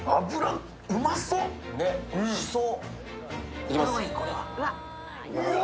ねぇ、おいしそう。